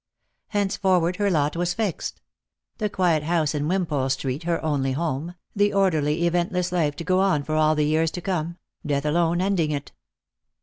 Henceforward her lot was fixed; the quiet house in Wimpole street her only home, the orderly event less life to go on for all the years to come, death alone ending it.